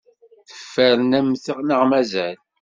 Tfernemt neɣ mazal?